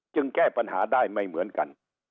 แก้ปัญหาได้ไม่เหมือนกัน